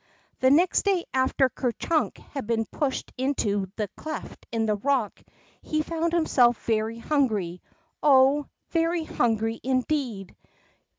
The next day after Ker Chiink had been pushed into the cleft in the rock, he found himself very hungry, oh, very hungry indeed